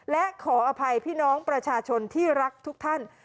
และขออภัยพี่น้องประชาชนที่รักทุกท่าน